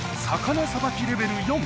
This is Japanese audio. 魚さばきレベル